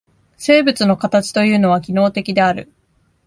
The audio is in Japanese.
生物の形というのは機能的である。